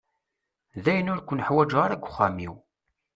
Dayen ur ken-uḥwaǧeɣ ara deg uxxam-iw.